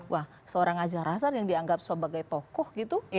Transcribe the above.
wah seorang ajar rahar yang dianggap sebagai tokoh gitu